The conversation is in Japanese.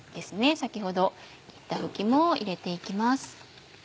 先ほど切ったふきも入れて行きます。